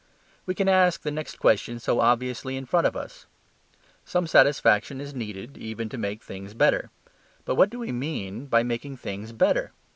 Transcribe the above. We can ask the next question so obviously in front of us. Some satisfaction is needed even to make things better. But what do we mean by making things better?